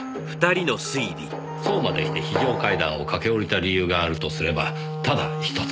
そうまでして非常階段を駆け下りた理由があるとすればただ一つ。